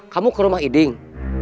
kamu ke rumah iding